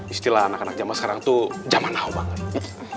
istilah anak anak jaman sekarang tuh jaman now banget